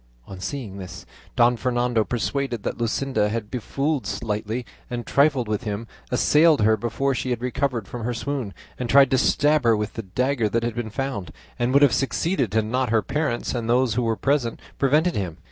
On seeing this, Don Fernando, persuaded that Luscinda had befooled, slighted, and trifled with him, assailed her before she had recovered from her swoon, and tried to stab her with the dagger that had been found, and would have succeeded had not her parents and those who were present prevented him.